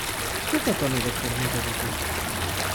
Câte tone de carne de vită?